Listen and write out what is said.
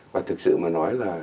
và thực sự mà nói là